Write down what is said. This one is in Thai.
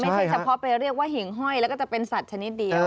เฉพาะไปเรียกว่าหิ่งห้อยแล้วก็จะเป็นสัตว์ชนิดเดียว